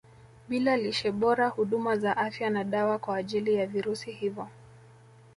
Bila lishe bora huduma za afya na dawa kwa ajili ya virusi hivo